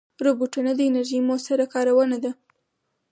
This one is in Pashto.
روبوټونه د انرژۍ مؤثره کارونه کوي.